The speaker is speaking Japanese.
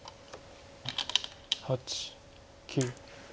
８９。